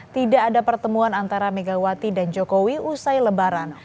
tidak ada pertemuan antara megawati dan jokowi usai lebaran